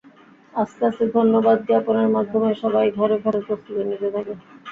আস্তে আস্তে ধন্যবাদ জ্ঞাপনের মাধ্যমে সবাই ঘরে ফেরার প্রস্তুতি নিতে থাকে।